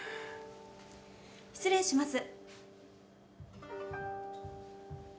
失礼します。